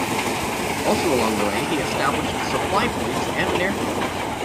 Also along the way he established supply points and an airfield.